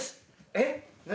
えっ何？